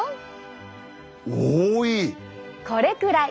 これくらい！